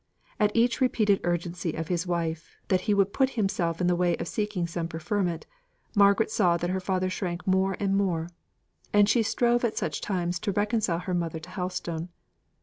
At each repeated urgency of his wife, that he would put himself in the way of seeking some preferment, Margaret saw that her father shrank more and more; and she strove at such times to reconcile her mother to Helstone.